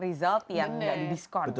result yang gak didiskon